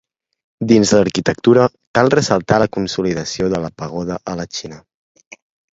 Dins l'arquitectura, cal ressaltar la consolidació de la pagoda a la Xina.